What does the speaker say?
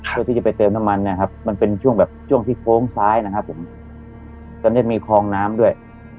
เพื่อที่จะไปเติมน้ำมันนะครับมันเป็นช่วงแบบช่วงที่โค้งซ้ายนะครับผมตอนนี้มีคลองน้ำด้วย